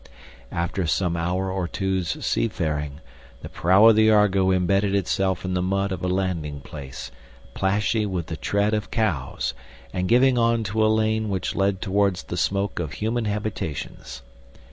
After some hour or two's seafaring, the prow of the Argo embedded itself in the mud of a landing place, plashy with the tread of cows and giving on to a lane that led towards the smoke of human habitations.